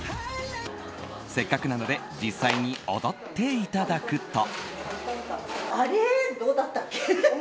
せっかくなので実際に踊っていただくと。